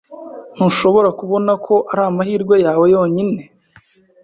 Ntushobora kubona ko ari amahirwe yawe yonyine?